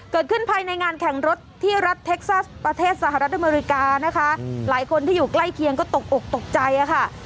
ภายในงานแข่งรถที่รัฐเท็กซัสประเทศสหรัฐอเมริกานะคะหลายคนที่อยู่ใกล้เคียงก็ตกอกตกใจค่ะ